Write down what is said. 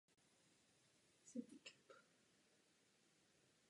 Po vydání posledního jmenovaného alba se skupina Kelly Family rozešla.